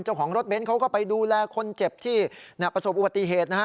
เจ้าของรถเน้นเขาก็ไปดูแลคนเจ็บที่ประสบอุบัติเหตุนะฮะ